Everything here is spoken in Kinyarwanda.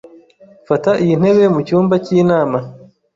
Fata iyi ntebe mucyumba cy'inama.